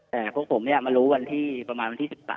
แต่พวกผมมารู้วันที่ประมาณวันที่๑๓